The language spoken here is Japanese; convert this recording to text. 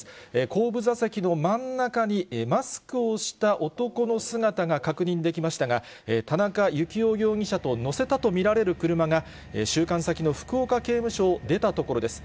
後部座席の真ん中にマスクをした男の姿が確認できましたが、田中幸雄容疑者と乗せたと見られる車が、収監先の福岡刑務所を出たところです。